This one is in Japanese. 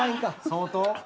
相当？